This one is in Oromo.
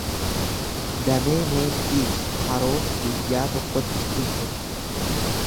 Damee meexxii fi haroo guyyaa tokkotti in kuta.